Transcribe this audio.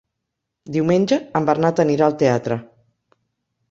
Diumenge en Bernat anirà al teatre.